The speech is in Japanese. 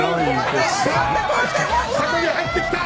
車庫に入ってきた。